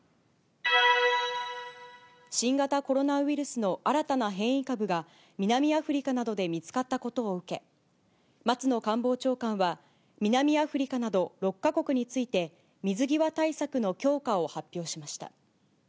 新型コロナウイルスの新たな変異株が、南アフリカなどで見つかったことを受け、松野官房長官は、南アフリカなど６か国について、水際対策の強化を発表しました。